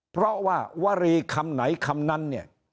เพราะว่าวรีคำไหนคำนั้นเนี่ย